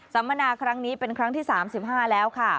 มนาครั้งนี้เป็นครั้งที่๓๕แล้วค่ะ